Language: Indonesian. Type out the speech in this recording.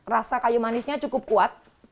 rasa kayu manisnya cukup kuat